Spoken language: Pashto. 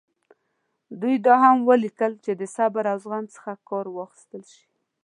دوی دا هم ولیکل چې د صبر او زغم څخه کار واخیستل شي.